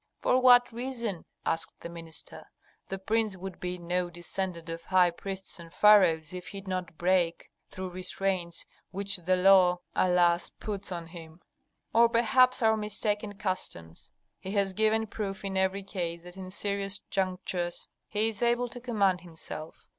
"For what reason?" asked the minister. "The prince would be no descendant of high priests and pharaohs if he did not break through restraints which the law, alas, puts on him, or perhaps our mistaken customs. He has given proof in every case that in serious junctures he is able to command himself.